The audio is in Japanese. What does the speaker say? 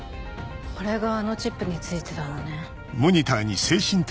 これがあのチップに付いてたのね。